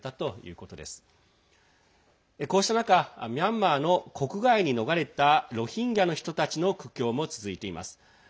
こうした中ミャンマーの国外に逃れたロヒンギャの人たちの苦境も続いています。